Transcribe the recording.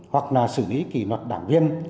hoặc là xử lý kỷ luật đảng viên